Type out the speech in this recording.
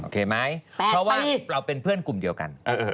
ไหมเพราะว่าเราเป็นเพื่อนกลุ่มเดียวกัน